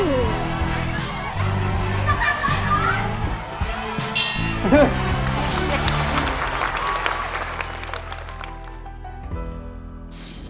น้องมายด่อน